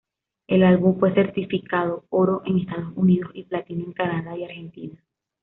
El álbum fue certificado oro en Estados Unidos y platino en Canadá y argentina.